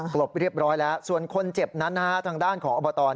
กลบเรียบร้อยแล้วส่วนคนเจ็บนั้นนะฮะทางด้านของอบต